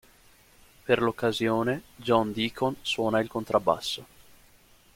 Per l'occasione John Deacon suona il contrabbasso.